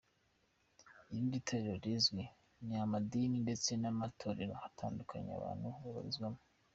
Irindi torero rizwi, ni amadini ndetse n’amatorero atandukanye abantu babarizwamo.